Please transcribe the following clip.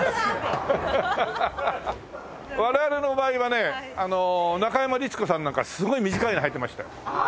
我々の場合はね中山律子さんなんかすごい短いの穿いてましたよ。